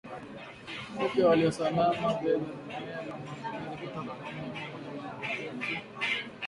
Kupe walio salama hubeba vimelea vya maambukizi kutoka kwa mnyama mwenye maambukizi